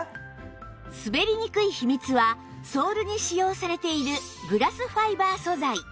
滑りにくい秘密はソールに使用されているグラスファイバー素材